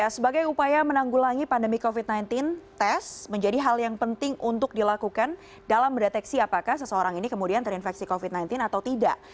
sebagai upaya menanggulangi pandemi covid sembilan belas tes menjadi hal yang penting untuk dilakukan dalam mendeteksi apakah seseorang ini kemudian terinfeksi covid sembilan belas atau tidak